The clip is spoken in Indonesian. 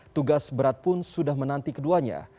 tugas berat pun sudah menanti keduanya